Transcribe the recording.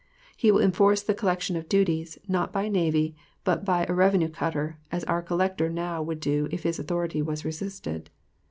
He will enforce the collection of duties, not by navy, but by a revenue cutter, as our collector now would do if his authority was resisted.